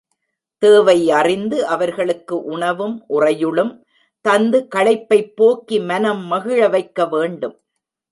தேவை அறிந்து அவர்களுக்கு உணவும் உறையுளும் தந்து களைப்பைப் போக்கி மனம் மகிழ வைக்க வேண்டும்.